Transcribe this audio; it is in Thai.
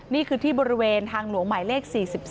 นี่คือที่บริเวณทางหลวงหมายเลข๔๒